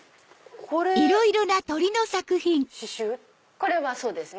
これはそうですね。